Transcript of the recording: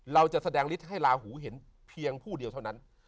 เราจะแสดงฤทธิ์ให้ลาหูเห็นเพียงผู้เดียวเท่านั้น